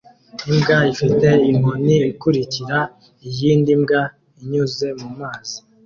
Imbwa ifite inkoni ikurikira iyindi mbwa inyuze mumazi